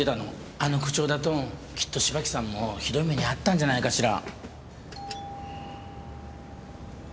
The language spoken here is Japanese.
あの口調だときっと芝木さんもひどい目に遭ったんじゃないかしら。